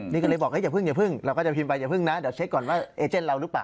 นี่ก็เลยบอกอย่าเพิ่งอย่าเพิ่งเราก็จะพิมพ์ไปอย่าเพิ่งนะเดี๋ยวเช็คก่อนว่าเอเจนเราหรือเปล่า